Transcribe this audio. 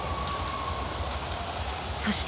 そして。